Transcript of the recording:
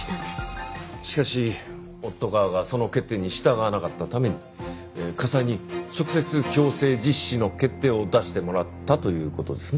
しかし夫側がその決定に従わなかったために家裁に直接強制実施の決定を出してもらったという事ですね。